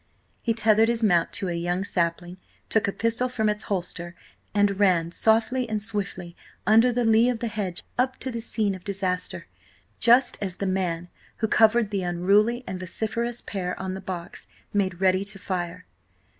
He tethered his mount to a young sapling, took a pistol from its holster, and ran softly and swiftly under the lea of the hedge up to the scene of disaster, just as the man who covered the unruly and vociferous pair on the box made ready to fire.